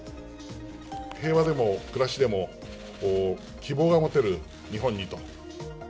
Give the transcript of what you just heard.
平和でも、くらしでも希望が持てる日本にと。